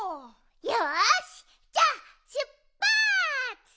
よしじゃあしゅっぱつ！